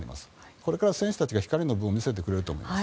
これから選手たちが光の部分を見せてくれると思います。